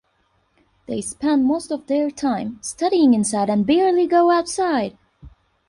They spend most of their time studying inside and barely go outside.